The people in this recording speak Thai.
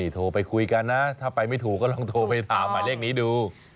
โทรไปคุยกันนะถ้าไปไม่ถูกก็ลองโทรไปถามหมายเลขนี้ดู